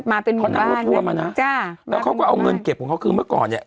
มาเป็นหมู่บ้านน่ะจ้ะแล้วเขาก็เอาเงินเก็บของเขาคือเมื่อก่อนเนี่ย